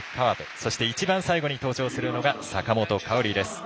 そして一番最後に登場するのが坂本花織です。